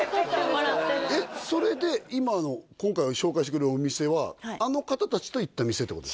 それで今の今回紹介してくれるお店はあの方達と行った店ってこと？